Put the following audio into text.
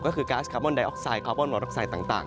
ก็คือก๊าซคาร์มอนไดออกไซด์คาร์บอนมอเตอร์ไซค์ต่าง